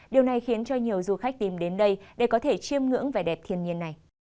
điều này khiến cho nhiều du khách tìm đến đây để có thể chiêm ngưỡng vẻ đẹp thiên nhiên này